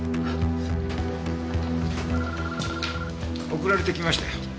送られてきましたよ。